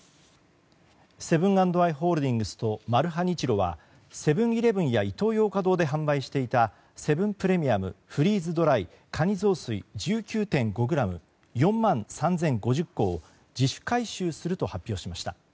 セブン＆アイ・ホールディングスとマルハニチロはセブン‐イレブンやイトーヨーカドーで販売していたセブンプレミアムフリーズドライかにぞうすい１９．５ｇ４万３０５０個を自主回収すると発表しました。